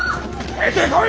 出てこい！